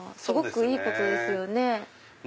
すごくいいことですよね。